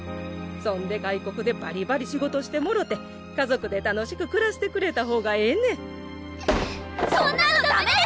そんで外国でバリバリ仕事してもろて家族で楽しくくらしてくれたほうがええねんそんなのダメだよ！